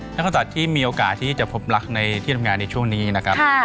นักคอสัตว์ที่มีโอกาสที่จะพบรักในที่ทำงานในช่วงนี้นะครับ